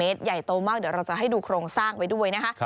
ใหญ่โตมากเดี๋ยวเราจะให้ดูโครงสร้างไว้ด้วยนะคะ